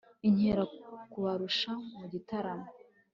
inkera kubarusha mu gitaramo